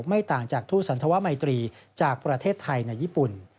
ไม่ต่างจากทูตสันธวมัยตรีจากประเทศไทยในญี่ปุ่น